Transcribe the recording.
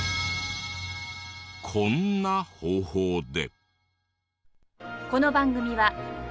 こんな方法で。